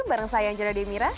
bareng saya anjara demira